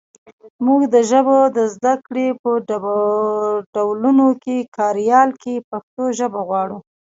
مونږ د ژبو د زده کړې په ډولونګو کاریال کې پښتو ژبه غواړو